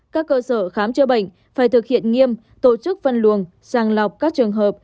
các cơ sở khám chữa bệnh phải thực hiện nghiêm tổ chức phân luồng sàng lọc các trường hợp